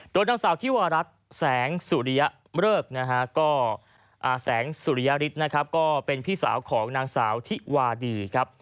โดยนางสาวที่วรรดิแสงสุริยริตนะครับก็เป็นพี่สาวของนางสาวที่วาดีครับ